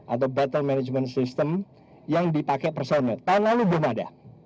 atau battle management system yang dipakai personil tahun lalu belum ada